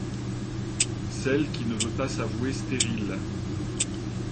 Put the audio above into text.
Celle qui ne veut pas s’avouer stérile.